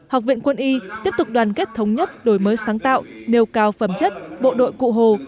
học viện quân y tiếp tục đoàn kết thống nhất đổi mới sáng tạo nêu cao phẩm chất bộ đội cụ hồ